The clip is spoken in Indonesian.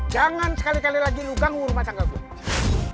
jangan sekali kali lagi lu ganggu rumah tangga gue